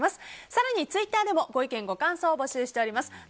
更にツイッターでもご意見、ご感想を募集しています。